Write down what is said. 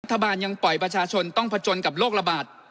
รัฐบาลยังปล่อยประชาชนต้องผจญกับโรคระบาด